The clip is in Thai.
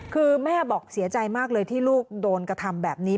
คือแม่บอกเสียใจมากเลยที่ลูกโดนกระทำแบบนี้